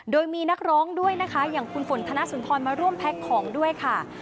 โดยมีนักร้องด้วยนะคะอย่างคุณฝนธนสุนทรมาร่วมแพ็คของด้วยค่ะ